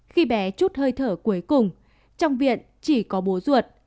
khi bé chút hơi thở cuối cùng trong viện chỉ có bố ruột